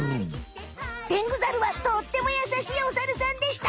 テングザルはとってもやさしいおサルさんでした！